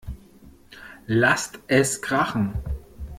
Lasst es krachen!